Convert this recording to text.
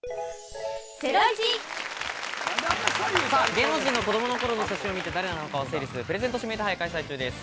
芸能人の子どもの頃の写真を見て誰なのかを推理するプレゼント指名手配開催中です。